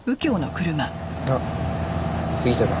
あっ杉下さん